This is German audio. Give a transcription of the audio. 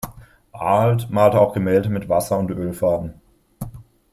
Arlt malte auch Gemälde mit Wasser- und Ölfarben.